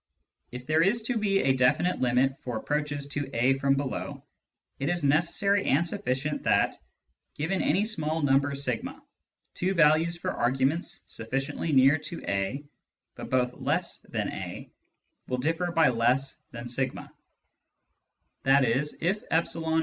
If there is to be a definite limit for approaches to a from below, it is necessary and sufficient that, given any small number a, two values for arguments sufficiently near to a (but both less than a) will differ Limits and Continuity of Functions 1 1 3 by less than a ; i.e.